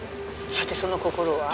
さてその心は？